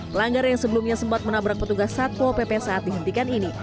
pelanggar yang sebelumnya sempat menabrak petugas satpol pp saat dihentikan ini